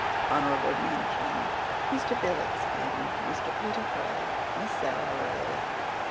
HONOURABLE MENTION Mr. Felix King. Mr. Peter Craig. Miss Sara Ray.